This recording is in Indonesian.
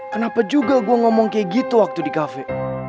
kenapa juga gue ngomong kayak gitu waktu di kafe